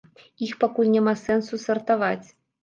Іх пакуль няма сэнсу сартаваць.